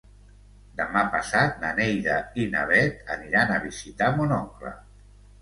Demà passat na Neida i na Bet aniran a visitar mon oncle.